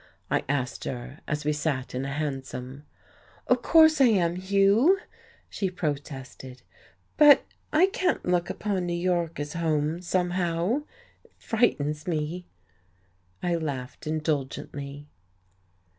I asked her, as we sat in a hansom. "Of course I am, Hugh!" she protested. "But I can't look upon New York as home, somehow. It frightens me." I laughed indulgently.